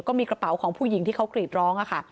ก็มีกระเป๋าของผู้หญิงที่เขากรีดร้องค่ะ